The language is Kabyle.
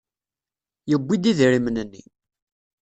Yewwi-d idrimen-nni.